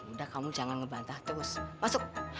udah kamu jangan ngebantah terus masuk